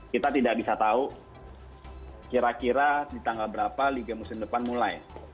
kita tidak bisa tahu kira kira di tanggal berapa liga musim depan mulai